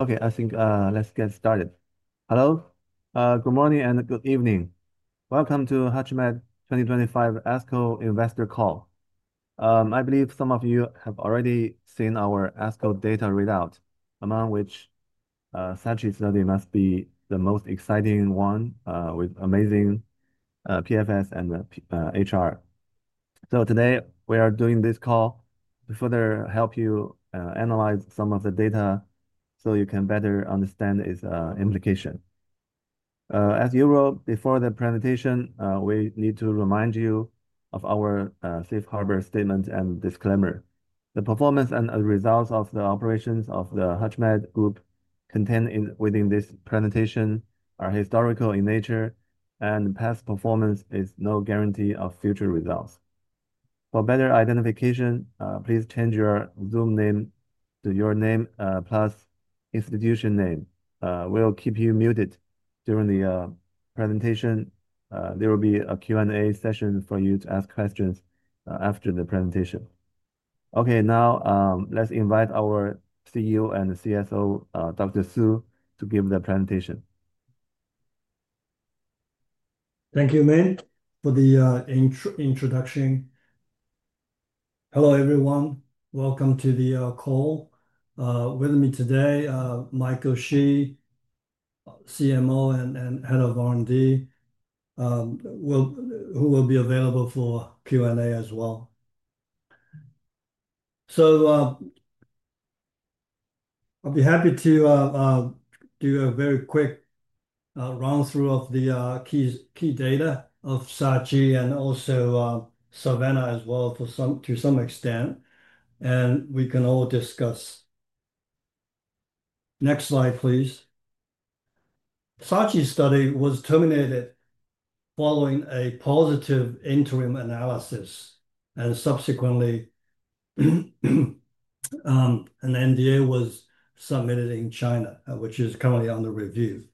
Okay, I think, let's get started. Hello, good morning and good evening. Welcome to HUTCHMED 2025 ASCO Investor Call. I believe some of you have already seen our ASCO data readout, among which, SHI study must be the most exciting one, with amazing PFS and HR. Today we are doing this call to further help you analyze some of the data so you can better understand its implication. As you wrote before the presentation, we need to remind you of our safe harbor statement and disclaimer. The performance and the results of the operations of the HUTCHMED group contained within this presentation are historical in nature, and past performance is no guarantee of future results. For better identification, please change your Zoom name to your name plus institution name. We'll keep you muted during the presentation. There will be a Q&A session for you to ask questions, after the presentation. Okay, now, let's invite our CEO and CSO, Dr. Su, to give the presentation. Thank you, Ming, for the introduction. Hello everyone, welcome to the call. With me today, Michael Shi, CMO and head of R&D, will be available for Q&A as well. I'll be happy to do a very quick run-through of the key data of SHI and also Savannah as well to some extent, and we can all discuss. Next slide, please. SHI study was terminated following a positive interim analysis, and subsequently, an NDA was submitted in China, which is currently under review.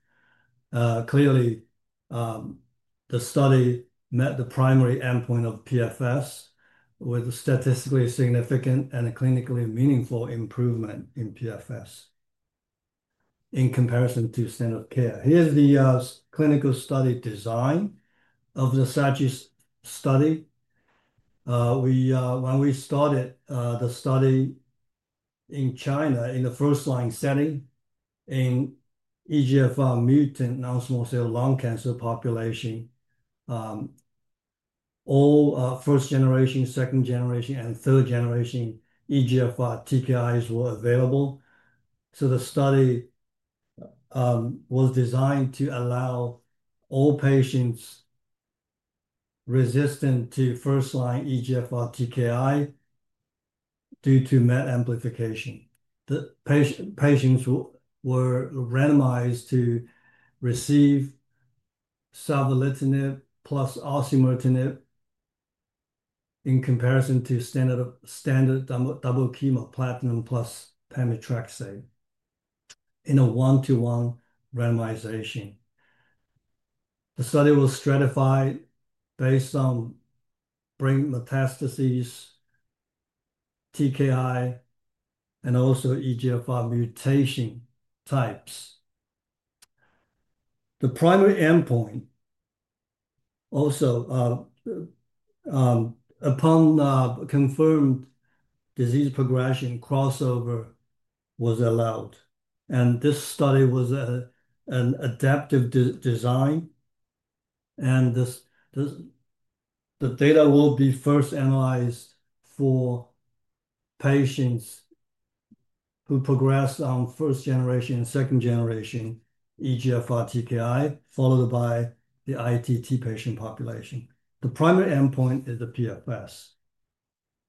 Clearly, the study met the primary endpoint of PFS with statistically significant and clinically meaningful improvement in PFS in comparison to standard care. Here's the clinical study design of the SHI study. When we started the study in China in the first-line setting in EGFR mutant non-small cell lung cancer population, all first-generation, second-generation, and third-generation EGFR TKIs were available. The study was designed to allow all patients resistant to first-line EGFR TKI due to MET amplification. Patients were randomized to receive savolitinib plus osimertinib in comparison to standard of care double chemo platinum plus pemetrexed in a one-to-one randomization. The study was stratified based on brain metastases, TKI, and also EGFR mutation types. The primary endpoint, upon confirmed disease progression, crossover was allowed. This study was an adaptive design, and the data will be first analyzed for patients who progress on first-generation and second-generation EGFR TKI, followed by the ITT patient population. The primary endpoint is the PFS.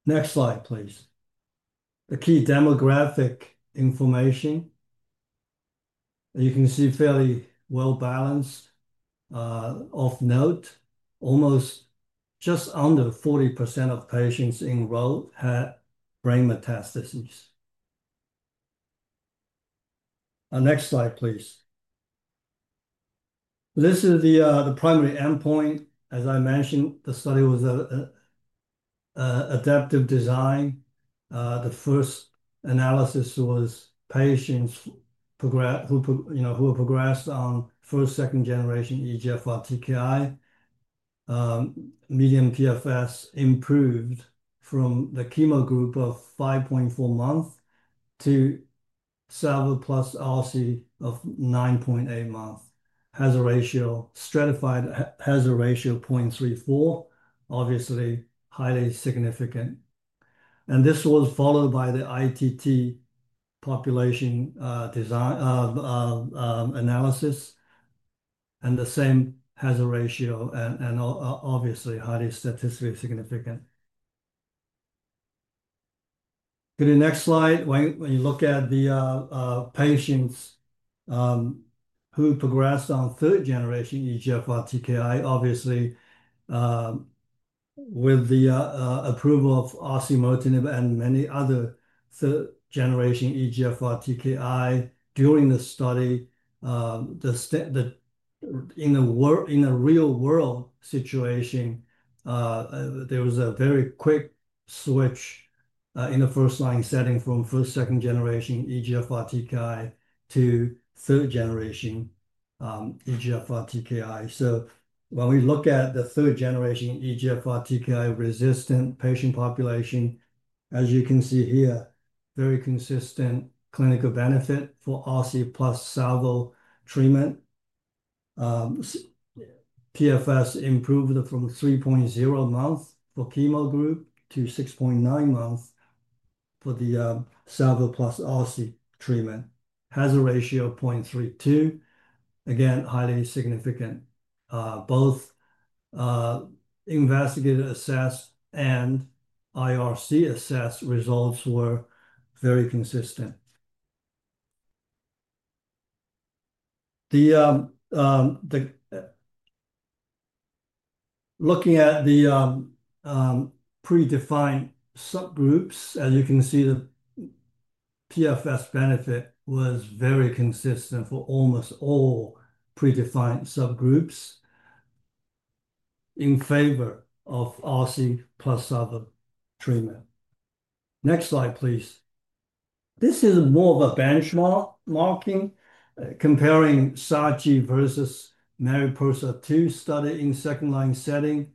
Next slide, please. The key demographic information, you can see fairly well balanced. Of note, almost just under 40% of patients enrolled had brain metastases. Next slide, please. This is the primary endpoint. As I mentioned, the study was an adaptive design. The first analysis was patients who progressed on first, second generation EGFR TKI. Median PFS improved from the chemo group of 5.4 months to savo + osi of 9.8 months. Hazard ratio, stratified, hazard ratio 0.34, obviously highly significant. This was followed by the ITT population, design, analysis, and the same hazard ratio and obviously highly statistically significant. Okay, next slide. When you look at the patients who progressed on third-generation EGFR TKI, obviously, with the approval of osimertinib and many other third-generation EGFR TKI during the study, in a real-world situation, there was a very quick switch in the first-line setting from first-, second-generation EGFR TKI to third-generation EGFR TKI. When we look at the third-generation EGFR TKI-resistant patient population, as you can see here, very consistent clinical benefit for osi + savo treatment. PFS improved from 3.0 months for the chemo group to 6.9 months for the savo + osi treatment. Hazard ratio of 0.32, again, highly significant. Both investigator-assessed and IRC-assessed results were very consistent. Looking at the predefined subgroups, as you can see, the PFS benefit was very consistent for almost all predefined subgroups in favor of osi + savo treatment. Next slide, please. This is more of a benchmarking, comparing SHI versus MARIPOSA-2 study in second line setting,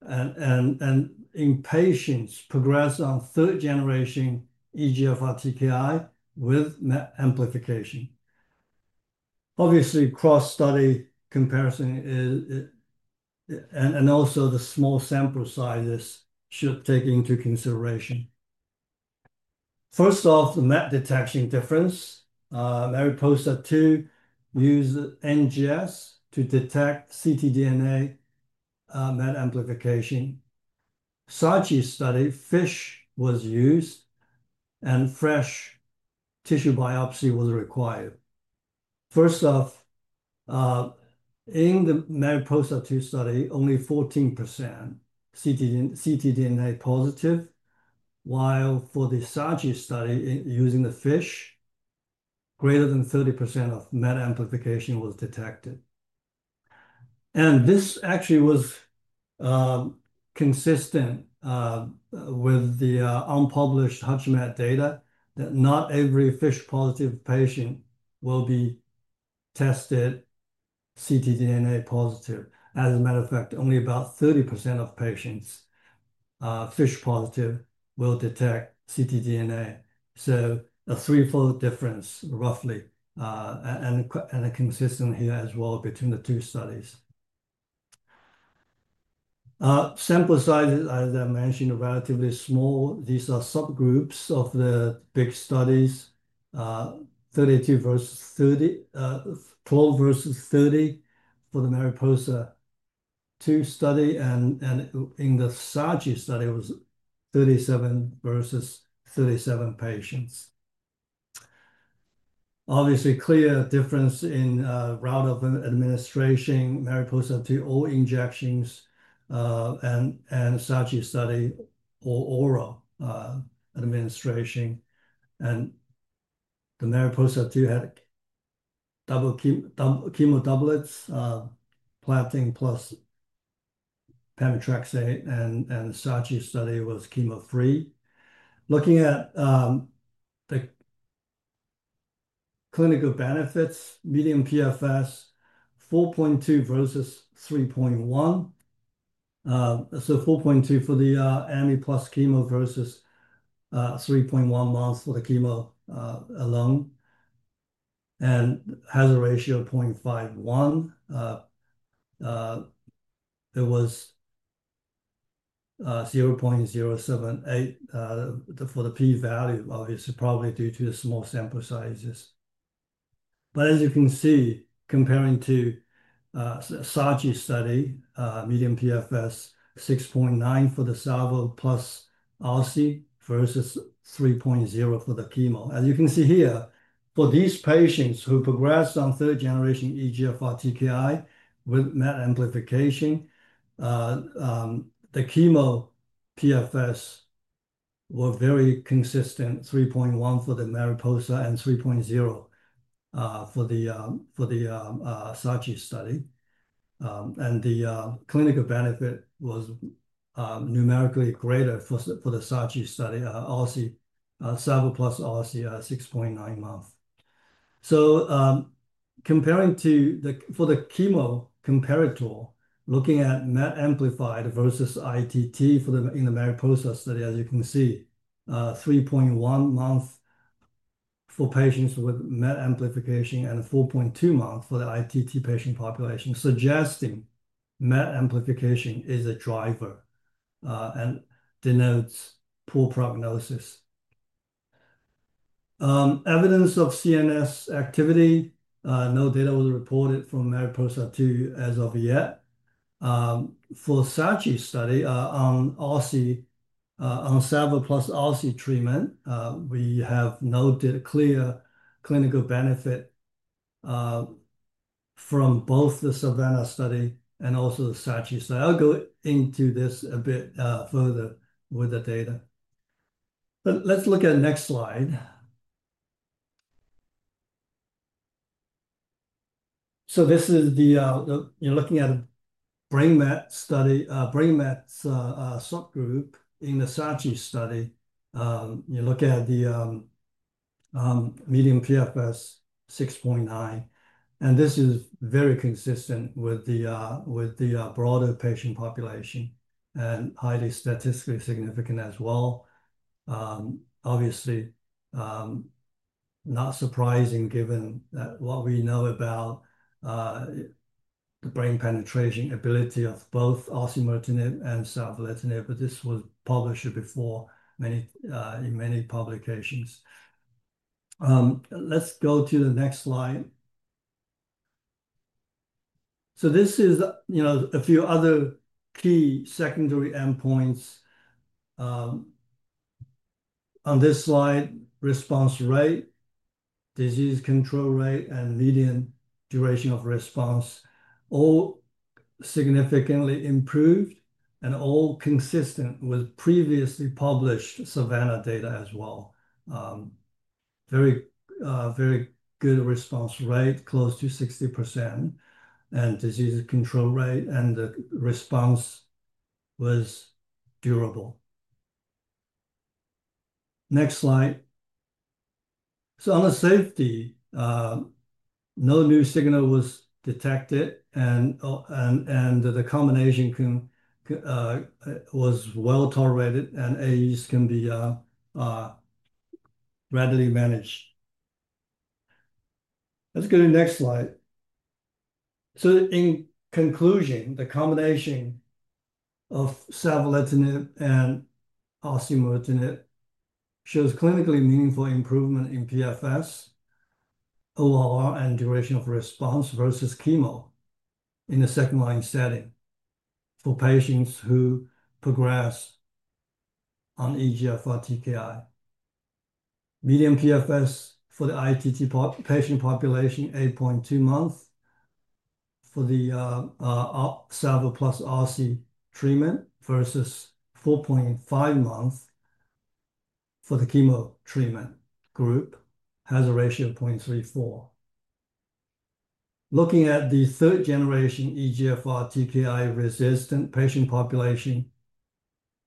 and in patients progress on third generation EGFR TKI with MET amplification. Obviously, cross study comparison is, and also the small sample sizes should take into consideration. First off, the MET detection difference. MARIPOSA-2 used NGS to detect ctDNA, MET amplification. SHI study, FISH was used, and fresh tissue biopsy was required. First off, in the MARIPOSA-2 study, only 14% ctDNA positive, while for the SHI study using the FISH, greater than 30% of MET amplification was detected. This actually was consistent with the unpublished HUTCHMED data that not every FISH positive patient will be tested ctDNA positive. As a matter of fact, only about 30% of patients FISH positive will detect ctDNA. So a threefold difference roughly, and consistent here as well between the two studies. Sample sizes, as I mentioned, are relatively small. These are subgroups of the big studies, 32 versus 30, 12 versus 30 for the MARIPOSA-2 study, and in the SHI study was 37 versus 37 patients. Obviously, clear difference in route of administration, MARIPOSA-2 oral injections, and SHI study oral administration. The MARIPOSA-2 had double chemo, double chemo doublets, platinum plus pemetrexed, and SHI study was chemo free. Looking at the clinical benefits, median PFS 4.2 versus 3.1, so 4.2 for the AMI plus chemo versus 3.1 months for the chemo alone, and hazard ratio of 0.51. It was 0.078 for the p-value, obviously probably due to the small sample sizes. As you can see, comparing to SHI study, median PFS 6.9 for the savo + osi versus 3.0 for the chemo. As you can see here, for these patients who progressed on third-generation EGFR TKI with MET amplification, the chemo PFS were very consistent, 3.1 for the MARIPOSA and 3.0 for the SHI study. The clinical benefit was numerically greater for the SHI study, osi, savo + osi, 6.9 months. Comparing to the, for the chemo comparator, looking at MET amplified versus ITT for the, in the MARIPOSA study, as you can see, 3.1 month for patients with MET amplification and 4.2 month for the ITT patient population, suggesting MET amplification is a driver, and denotes poor prognosis. Evidence of CNS activity, no data was reported from MARIPOSA-2 as of yet. For SHI study, on osi, on savo + osi treatment, we have no clear clinical benefit, from both the Savannah study and also the SHI study. I'll go into this a bit further with the data. Let's look at the next slide. This is the, you're looking at a brain met study, brain met subgroup in the SHI study. You look at the median PFS 6.9, and this is very consistent with the broader patient population and highly statistically significant as well. Obviously, not surprising given what we know about the brain penetration ability of both osimertinib and savolitinib, but this was published before in many publications. Let's go to the next slide. This is a few other key secondary endpoints. On this slide, response rate, disease control rate, and median duration of response all significantly improved and all consistent with previously published Savannah data as well. Very, very good response rate, close to 60%, and disease control rate, and the response was durable. Next slide. On the safety, no new signal was detected and the combination was well tolerated and AEs can be readily managed. Let's go to the next slide. In conclusion, the combination of savolitinib and osimertinib shows clinically meaningful improvement in PFS, ORR, and duration of response versus chemo in the second line setting for patients who progress on EGFR TKI. Median PFS for the ITT patient population, 8.2 months for the savo + osi treatment versus 4.5 months for the chemo treatment group, has a hazard ratio of 0.34. Looking at the third-generation EGFR TKI resistant patient population,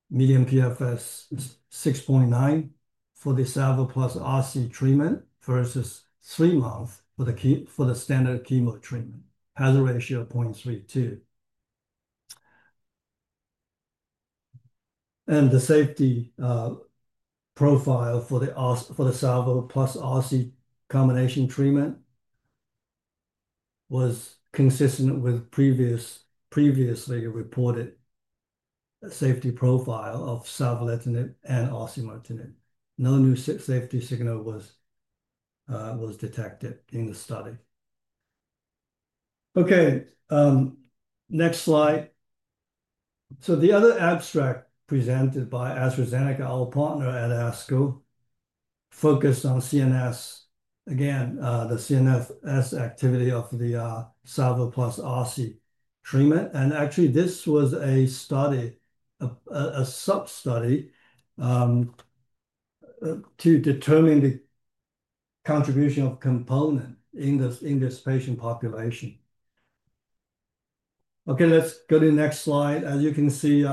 median PFS is 6.9 months for the savo + osi treatment versus three months for the standard chemo treatment, with a hazard ratio of 0.32. The safety profile for the savo + osi combination treatment was consistent with the previously reported safety profile of savo and osi. No new safety signal was detected in the study. Okay, next slide. The other abstract presented by AstraZeneca, our partner at ASCO, focused on CNS, again, the CNS activity of the savo + osi treatment. Actually, this was a sub-study to determine the contribution of component in this patient population. Okay, let's go to the next slide. As you can see,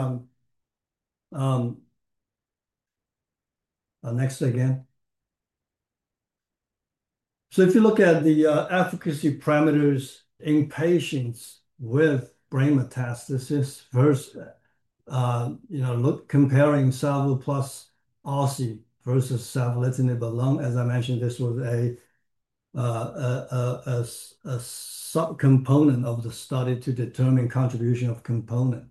next again. If you look at the efficacy parameters in patients with brain metastasis versus, you know, comparing savo + osi versus savolitinib alone, as I mentioned, this was a subcomponent of the study to determine contribution of component.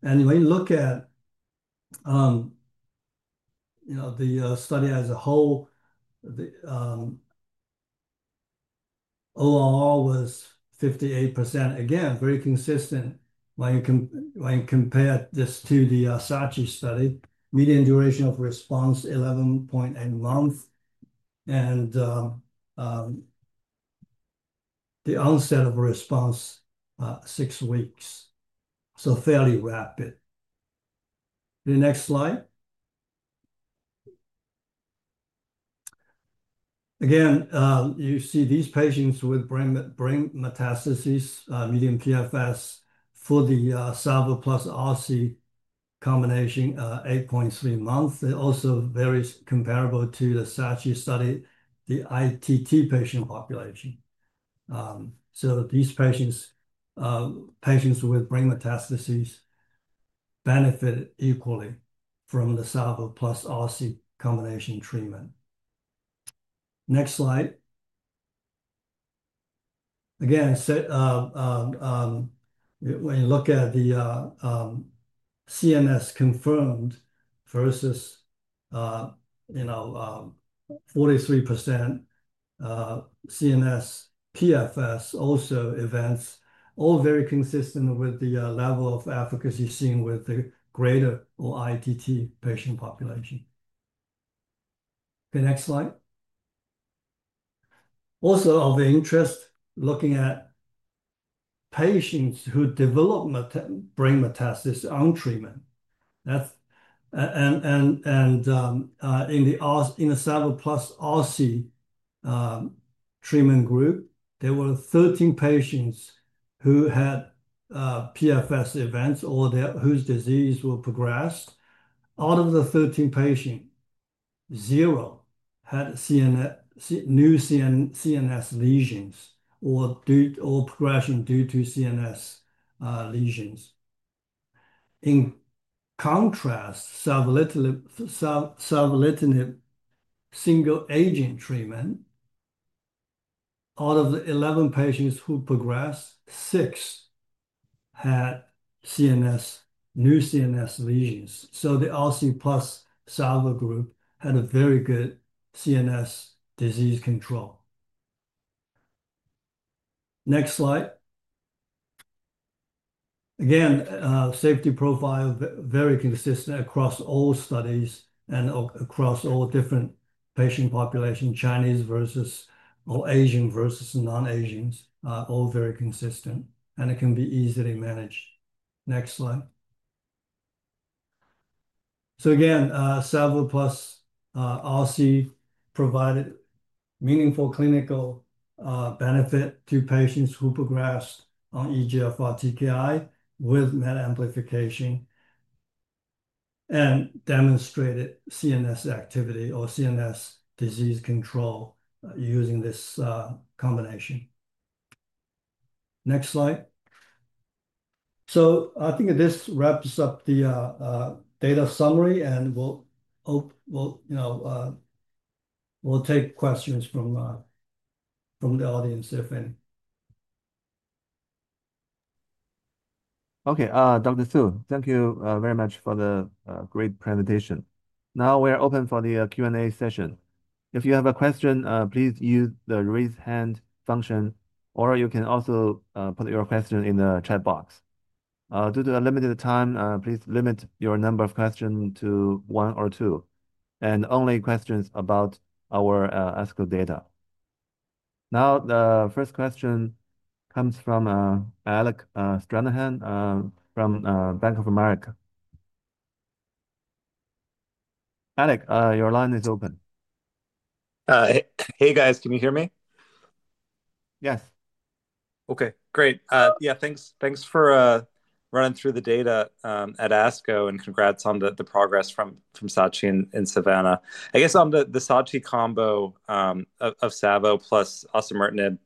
When you look at the study as a whole, the ORR was 58%. Again, very consistent when you compare this to the SHI study, median duration of response 11.8 months and the onset of response, six weeks. So fairly rapid. The next slide. Again, you see these patients with brain, brain metastases, median PFS for the savo + osi combination, 8.3 months. It also is very comparable to the SHI study, the ITT patient population. These patients, patients with brain metastases benefited equally from the savo + osi combination treatment. Next slide. Again, when you look at the CNS confirmed versus, you know, 43%, CNS PFS events, all very consistent with the level of efficacy seen with the greater or ITT patient population. Okay, next slide. Also of interest, looking at patients who develop brain metastasis on treatment. That's, in the savo + osi treatment group, there were 13 patients who had PFS events or whose disease will progress. Out of the 13 patients, zero had new CNS lesions or progression due to CNS lesions. In contrast, savolitinib, savolitinib single agent treatment, out of the 11 patients who progressed, six had CNS, new CNS lesions. The osi + savo group had a very good CNS disease control. Next slide. Again, safety profile very consistent across all studies and across all different patient population, Chinese versus or Asian versus non-Asians, all very consistent and it can be easily managed. Next slide. Savo + os provided meaningful clinical benefit to patients who progressed on EGFR TKI with MET amplification and demonstrated CNS activity or CNS disease control using this combination. Next slide. I think this wraps up the data summary and we'll take questions from the audience if any. Okay, Dr. Su, thank you very much for the great presentation. Now we are open for the Q&A session. If you have a question, please use the raise hand function or you can also put your question in the chat box. Due to limited time, please limit your number of questions to one or two and only questions about our ASCO data. Now the first question comes from Alec Stranahan from Bank of America. Alec, your line is open. Hey guys, can you hear me? Yes. Okay, great. Yeah, thanks, thanks for running through the data at ASCO and congrats on the progress from SHI in Savannah. I guess on the SHI combo, of savo + osimertinib,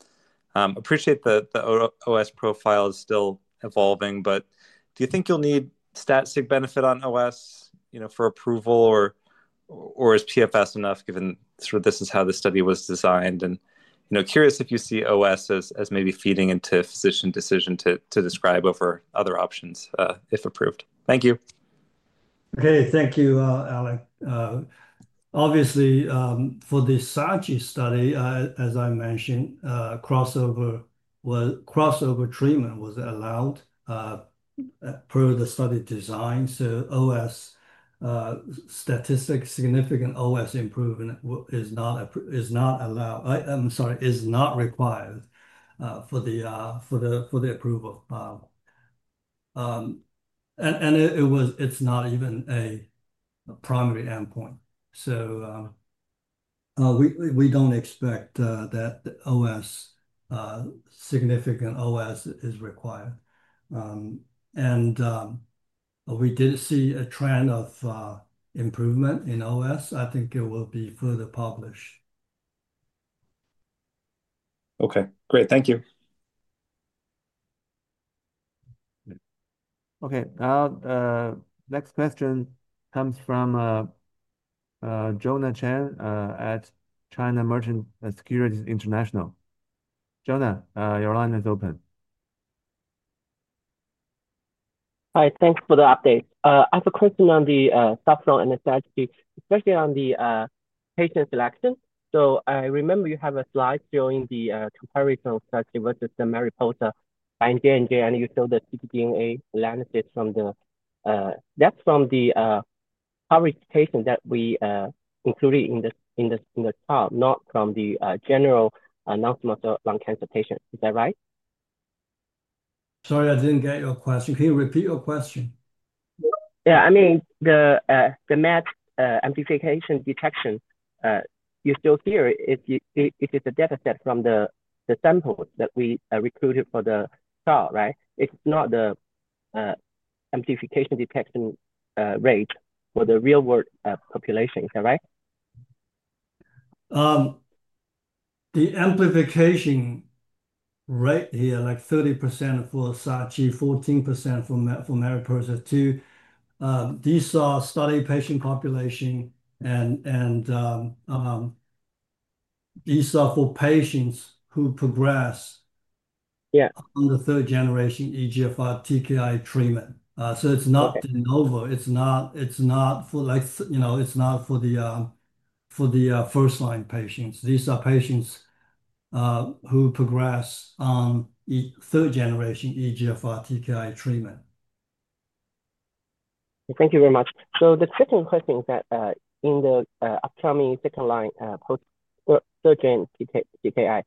appreciate the OS profile is still evolving, but do you think you'll need static benefit on OS, you know, for approval or is PFS enough given sort of this is how the study was designed and, you know, curious if you see OS as maybe feeding into physician decision to describe over other options, if approved. Thank you. Okay, thank you, Alec. Obviously, for the SHI study, as I mentioned, crossover was, crossover treatment was allowed, per the study design. So OS, statistically significant OS improvement is not, is not required, for the approval. It was, it's not even a primary endpoint. We don't expect that the OS, significant OS is required, and, we did see a trend of improvement in OS. I think it will be further published. Okay, great. Thank you. Okay, now, next question comes from Jonah Chen at China Merchants Securities International. Jonah, your line is open. Hi, thanks for the update. I have a question on the subfill and the static, especially on the patient selection. I remember you have a slide showing the comparison study versus the MARIPOSA by NJ and J and you show the ctDNA lancet from the coverage patient that we included in the chart, not from the general non-small cell lung cancer patient. Is that right? Sorry, I didn't get your question. Can you repeat your question? Yeah, I mean, the MET amplification detection, you still hear it, it is a dataset from the samples that we recruited for the trial, right? It's not the amplification detection rate for the real-world population. Is that right? The amplification rate here, like 30% for SHI, 14% for MARIPOSA-2, these are study patient populations, and these are for patients who progress. Yeah. On the third-generation EGFR TKI treatment. It's not de novo, it's not, it's not for, like, you know, it's not for the first-line patients. These are patients who progress on the third-generation EGFR TKI treatment. Thank you very much. The second question is that, in the upcoming second line, post third-gen TKI,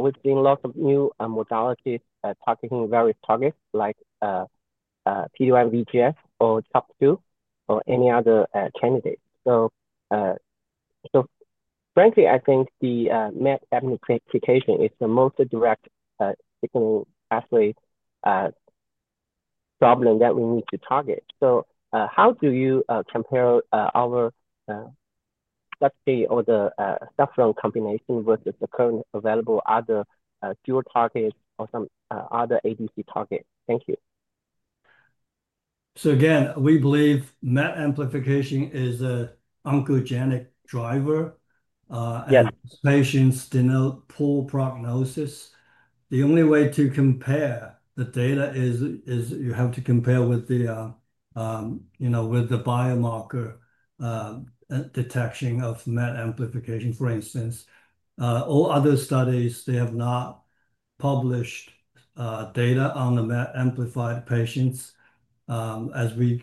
with lots of new modalities targeting various targets like PD-1 and VEGF or CHOP2 or any other candidates. Frankly, I think the MET amplification is the most direct signaling pathway problem that we need to target. How do you compare our study or the savolitinib combination versus the currently available other dual targets or some other ADC targets? Thank you. Again, we believe MET amplification is an oncogenic driver, and patients denote poor prognosis. The only way to compare the data is you have to compare with the biomarker detection of MET amplification, for instance. All other studies, they have not published data on the MET amplified patients, as we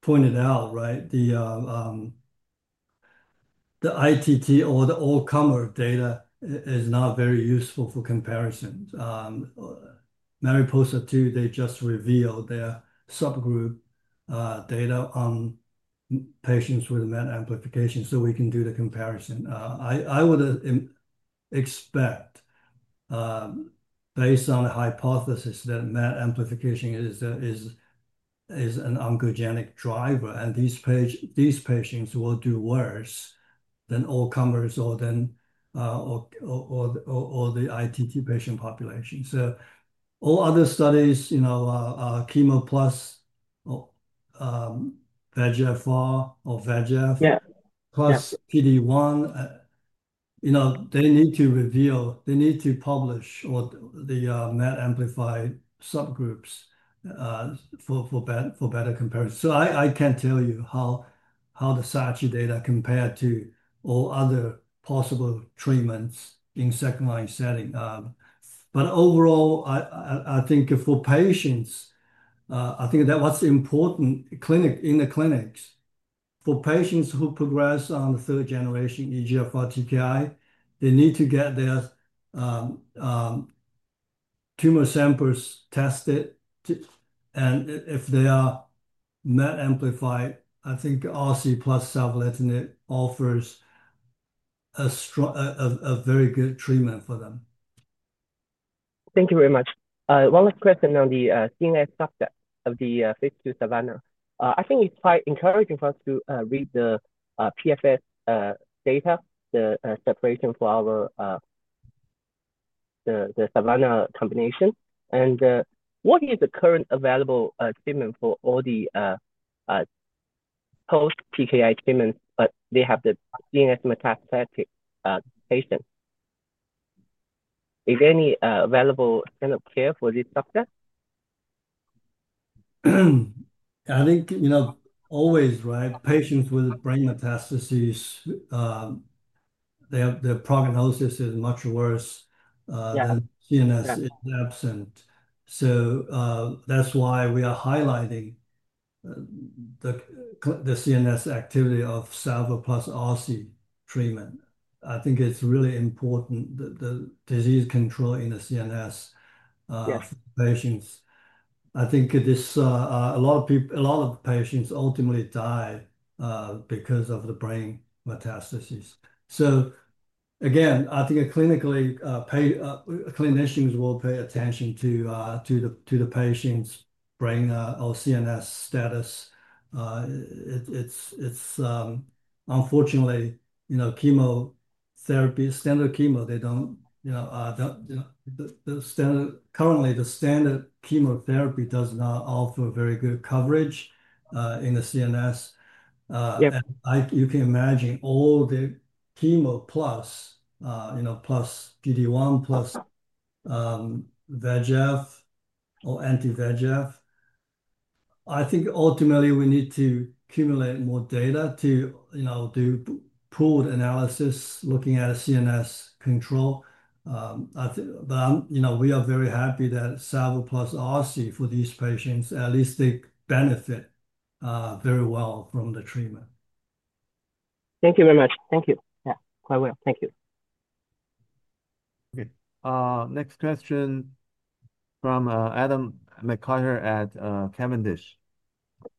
pointed out, right? The ITT or the all-comer data is not very useful for comparisons. MARIPOSA-2, they just revealed their subgroup data on patients with MET amplification so we can do the comparison. I would expect, based on the hypothesis that MET amplification is an oncogenic driver and these patients will do worse than all comers or the ITT patient population. All other studies, you know, chemo plus or VEGFR or VEGF plus PD1, you know, they need to reveal, they need to publish what the MET amplified subgroups, for better comparison. I can't tell you how the SHI data compared to all other possible treatments in second line setting. Overall, I think for patients, what's important in the clinics for patients who progress on the third-generation EGFR TKI, they need to get their tumor samples tested, and if they are MET amplified, I think osi + savolitinib offers a very good treatment for them. Thank you very much. One last question on the CNS subset of the phase two Savannah. I think it's quite encouraging for us to read the PFS data, the separation for the Savannah combination. What is the current available treatment for all the post-TKI treatments? They have the CNS metastatic patient. Is there any available standard of care for this subset? I think, you know, always, right? Patients with brain metastases, their prognosis is much worse than if CNS is absent. That's why we are highlighting the CNS activity of savo + osi treatment. I think it's really important, the disease control in the CNS patients. I think a lot of people, a lot of patients ultimately die because of the brain metastases. Again, I think clinically, clinicians will pay attention to the patient's brain or CNS status. It's, unfortunately, you know, chemotherapy, standard chemo, they don't, you know, the standard currently, the standard chemotherapy does not offer very good coverage in the CNS. Yeah. I, you can imagine all the chemo plus, you know, plus PD-1 + VEGF or anti-VEGF. I think ultimately we need to accumulate more data to, you know, do pooled analysis looking at CNS control. I think, but I'm, you know, we are very happy that savo + osi for these patients, at least they benefit, very well from the treatment. Thank you very much. Thank you. Yeah, quite well. Thank you. Okay. Next question from Adam McCarter at Cavendish.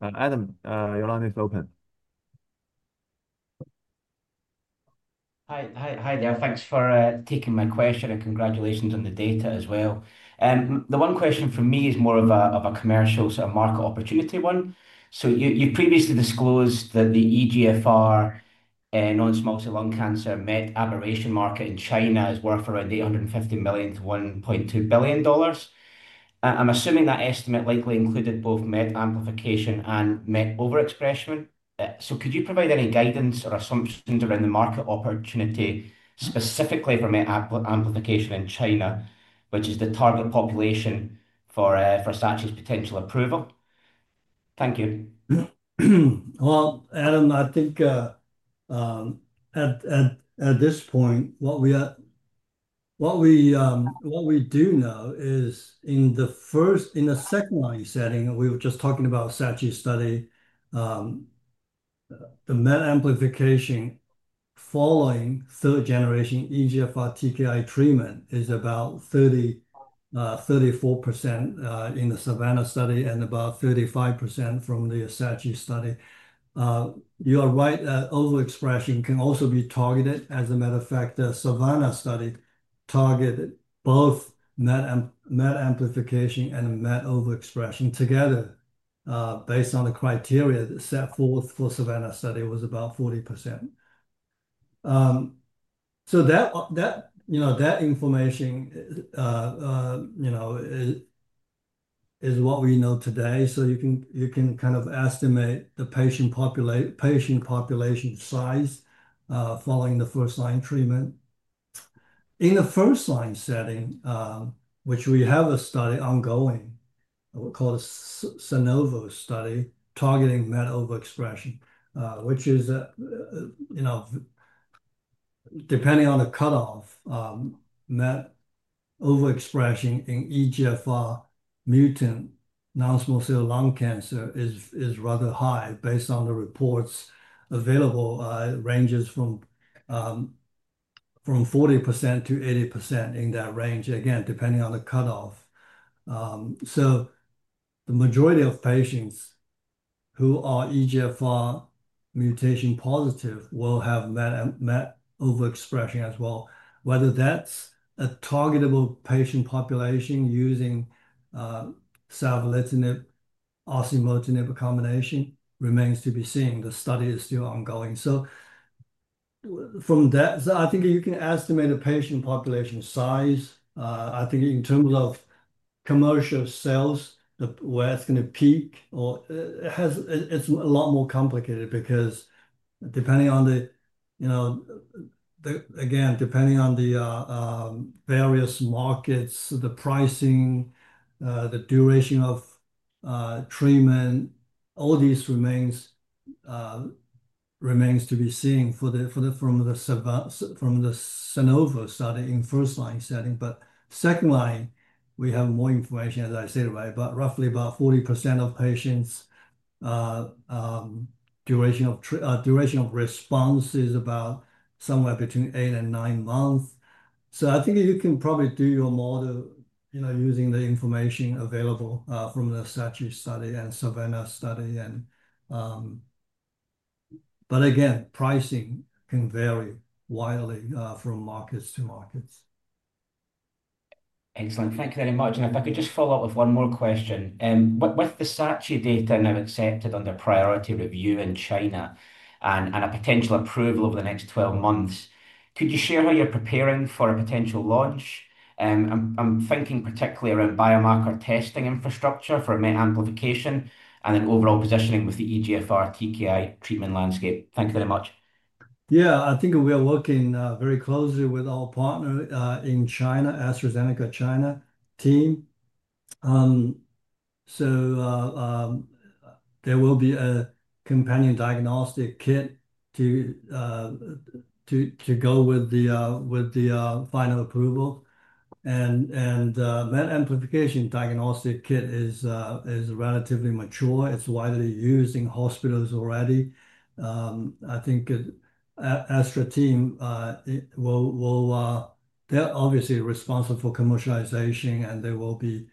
Adam, your line is open. Hi, hi, hi there. Thanks for taking my question and congratulations on the data as well. The one question for me is more of a, of a commercial sort of market opportunity one. You previously disclosed that the EGFR and non-small cell lung cancer MET aberration market in China has worth around $850 million-$1.2 billion. I'm assuming that estimate likely included both MET amplification and MET overexpression. Could you provide any guidance or assumptions around the market opportunity specifically for MET amplification in China, which is the target population for SHI's potential approval? Thank you. Adam, I think at this point, what we do know is in the second line setting, we were just talking about the SHI study, the MET amplification following third-generation EGFR TKI treatment is about 30, 34% in the Savannah study and about 35% from the SHI study. You are right that overexpression can also be targeted. As a matter of fact, the Savannah study targeted both MET amplification and MET overexpression together, based on the criteria that set forth for the Savannah study was about 40%. That information is what we know today. You can kind of estimate the patient population, patient population size, following the first-line treatment. In the first line setting, which we have a study ongoing, what called a SNOVO study targeting MET overexpression, which is, you know, depending on the cutoff, MET overexpression in EGFR mutant non-small cell lung cancer is rather high based on the reports available, ranges from 40% to 80% in that range, again, depending on the cutoff. The majority of patients who are EGFR mutation positive will have MET overexpression as well. Whether that's a targetable patient population using savolitinib, osimertinib combination remains to be seen. The study is still ongoing. From that, I think you can estimate a patient population size. I think in terms of commercial sales, where it's gonna peak or it has, it's a lot more complicated because depending on the, you know, again, depending on the various markets, the pricing, the duration of treatment, all these remains to be seen for the, from the SHI, from the SNOVO study in first line setting. Second line, we have more information, as I said, right? Roughly about 40% of patients, duration of response is about somewhere between eight and nine months. I think you can probably do your model, you know, using the information available from the SHI study and Savannah study. Pricing can vary widely from markets to markets. Excellent. Thank you very much. If I could just follow up with one more question. With the SHI data now accepted under priority review in China and a potential approval over the next 12 months, could you share how you're preparing for a potential launch? I'm thinking particularly around biomarker testing infrastructure for MET amplification and then overall positioning with the EGFR TKI treatment landscape. Thank you very much. Yeah, I think we are working very closely with our partner in China, AstraZeneca China team. There will be a companion diagnostic kit to go with the final approval. The MET amplification diagnostic kit is relatively mature. It's widely used in hospitals already. I think the Astra team will, they're obviously responsible for commercialization and they will be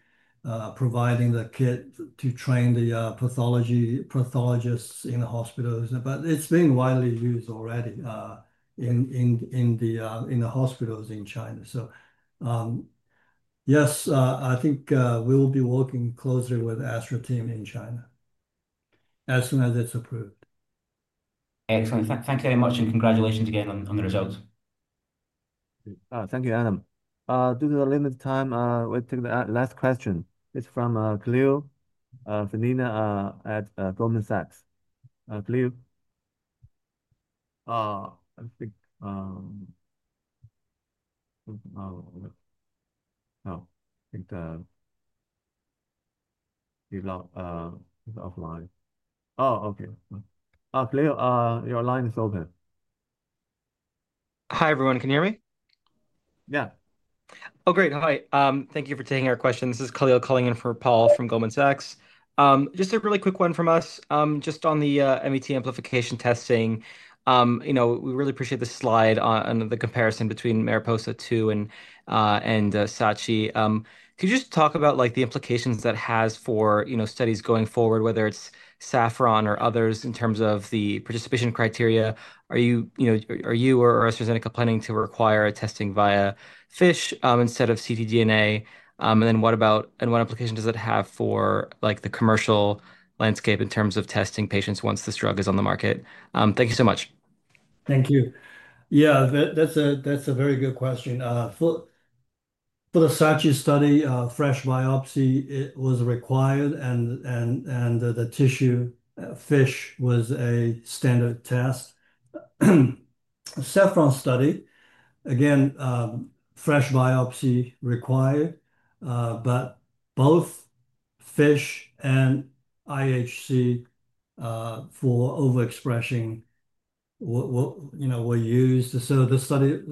providing the kit to train the pathologists in the hospitals. But it's being widely used already in the hospitals in China. Yes, I think we'll be working closely with the Astra team in China as soon as it's approved. Excellent. Thank you very much and congratulations again on the results. Thank you, Adam. Due to the limited time, we took the last question. It's from [Cleo, Vanina], at Goldman Sachs. Cleo, I think, oh, I think it's offline. Oh, okay. Cleo, your line is open. Hi everyone. Can you hear me? Yeah. Oh, great. Hi. Thank you for taking our question. This is Cleo calling in for Paul from Goldman Sachs. Just a really quick one from us. Just on the MET amplification testing, you know, we really appreciate the slide on the comparison between MARIPOSA-2 and SHI. Could you just talk about the implications that has for, you know, studies going forward, whether it's SAFFRON or others in terms of the participation criteria? Are you, you know, are you or AstraZeneca planning to require testing via FISH, instead of ctDNA? And then what about, and what implications does it have for like the commercial landscape in terms of testing patients once this drug is on the market? Thank you so much. Thank you. Yeah, that's a very good question. For the SHI study, fresh biopsy was required and the tissue FISH was a standard test. Saffron study, again, fresh biopsy required, but both FISH and IHC for overexpression were, you know, were used. The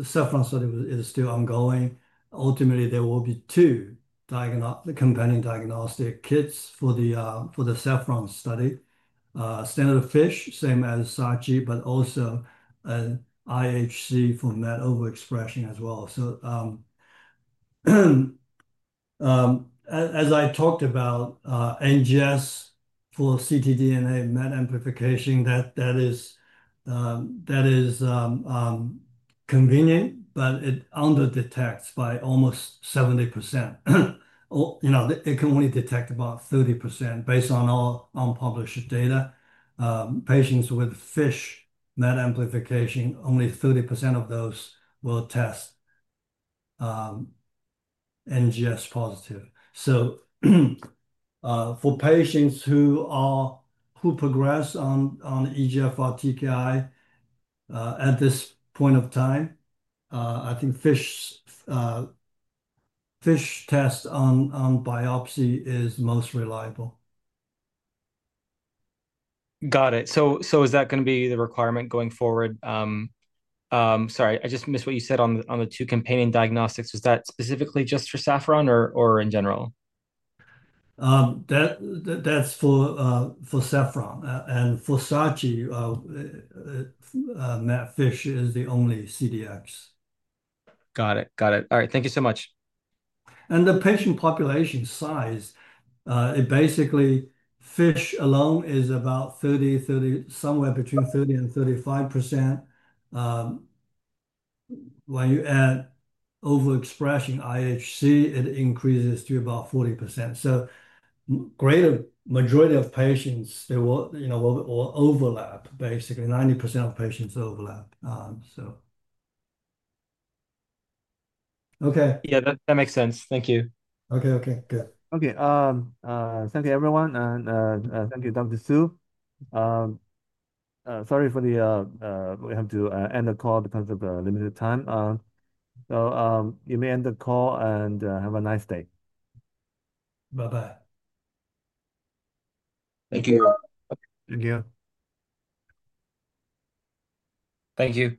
Saffron study is still ongoing. Ultimately, there will be two companion diagnostic kits for the Saffron study, standard of FISH, same as SHI, but also an IHC for MET overexpression as well. As I talked about, NGS for ctDNA MET amplification, that is convenient, but it under detects by almost 70%. Or, you know, it can only detect about 30% based on all unpublished data. Patients with FISH MET amplification, only 30% of those will test NGS positive. For patients who progress on EGFR TKI, at this point of time, I think FISH test on biopsy is most reliable. Got it. Is that gonna be the requirement going forward? Sorry, I just missed what you said on the two companion diagnostics. Was that specifically just for SAFFRON or in general? That is for SAFFRON and for SHI, MET FISH is the only CDX. Got it. Got it. All right. Thank you so much. The patient population size, it basically FISH alone is about, somewhere between 30% and 35%. When you add overexpression IHC, it increases to about 40%. So greater majority of patients, they will, you know, will overlap, basically 90% of patients overlap. Okay. Yeah, that makes sense. Thank you. Okay. Good. Okay. Thank you everyone, and thank you Dr. Su. Sorry for the, we have to end the call because of the limited time. You may end the call and have a nice day. Bye-bye. Thank you. Thank you. Thank you.